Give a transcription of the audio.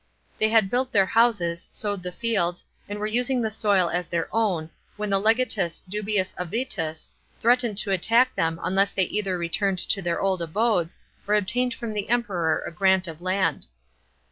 They had built their houses, sowed the fields, and were using the soil as their own, when the legatus Dubius Avitus, threatened to attack them unless they either returned to their old abodes or obtained from the Emperor a grant of land.